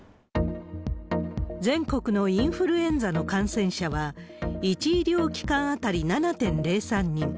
全国のインフルエンザの感染者は、１医療機関当たり７．０３人。